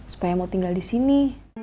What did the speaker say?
supaya mau tinggal disini